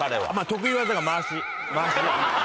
得意技が回し。